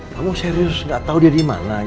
kamu serius gak tau dia dimana